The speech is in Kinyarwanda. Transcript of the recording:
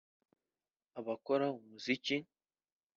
abakora umuziki